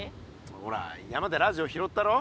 ほら山でラジオ拾ったろ。